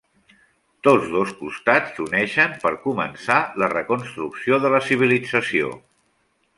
Tots dos costats s'uneixen per començar la reconstrucció de la civilització.